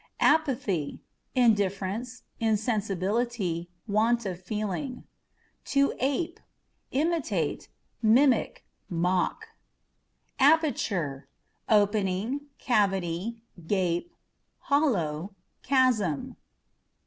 Apathy â€" indifference, insensibility, want of feeling. To Ape â€" imitate, mimic, mock. 14 .APEâ€" APP, Aperture â€" opening, cavity, gap, hollow, chasm.